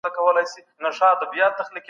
له سلطنتي واک څخه ولسواکۍ ته انتقال ډېر نرم و.